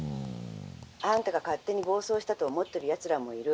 「あんたが勝手に暴走したと思ってるやつらもいる。